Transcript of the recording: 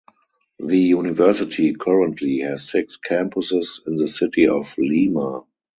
The university currently has six campuses in the city of Lima.